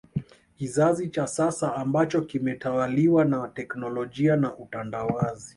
Kizazi cha sasa ambacho kimetawaliwa na teknolojia na utandawazi